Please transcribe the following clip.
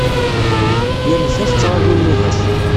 Yal ta tettraǧu nnuba-s.